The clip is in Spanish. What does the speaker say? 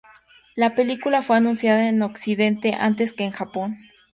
La película fue anunciada en Occidente antes que en Japón.